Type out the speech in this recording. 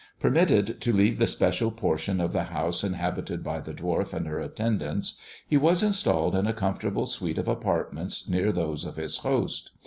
Permitted to leave the special portion of the house inhabited by the dwarf and her attendants, he was installed in a comfortable suite of apartments near those of his host.